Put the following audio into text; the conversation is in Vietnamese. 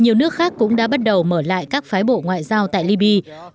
nhiều nước khác cũng đã bắt đầu mở lại các phái bộ ngoại giao tại liby